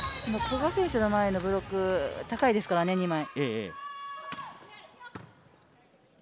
古賀選手の前のブロック、高いですからね、二枚。